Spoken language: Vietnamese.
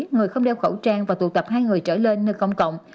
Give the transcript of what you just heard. người không đeo khẩu trang và tụ tập hai người trở lên nơi công cộng